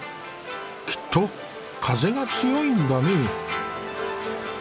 きっと風が強いんだね。